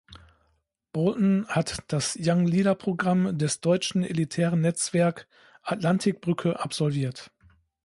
Bolten hat das Young-Leader-Programm des deutschen elitären Netzwerk Atlantik-Brücke absolviert.